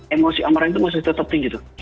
emosi amaran itu masih tetap tinggi tuh